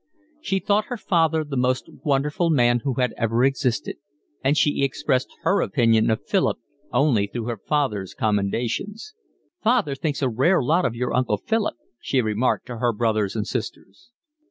She thought her father the most wonderful man who had ever existed, and she expressed her opinion of Philip only through her father's commendations. "Father thinks a rare lot of your Uncle Philip," she remarked to her brothers and sisters.